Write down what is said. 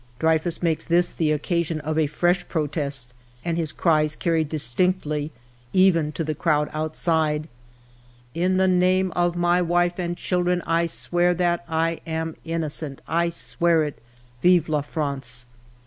" Dreyfus makes this the occasion of a fresh pro test, and his cries carry distinctly even to the crowd outside :—"' In the name of my wife and children, I swear that I am innocent. I swear it. Vive la France